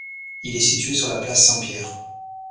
Il est situé sur la place Saint-Pierre.